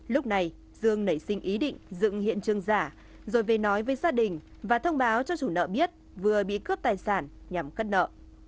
lúc này dương nảy sinh ý định dựng hiện trường giả rồi về nói với gia đình và thông báo cho chủ nợ biết vừa bị cướp tài sản nhằm cất nợ